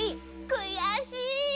くやしい！